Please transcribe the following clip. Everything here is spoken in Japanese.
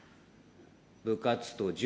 部活と塾。